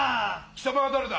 貴様は誰だ？